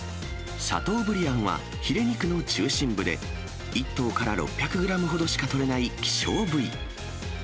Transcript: シャトーブリアンは、ヒレ肉の中心部で、１頭から６００グラムほどしか取れない希少部位。